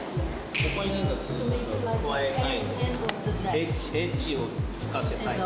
ここに何かツーッと加えたいのエッジを利かせたいんだ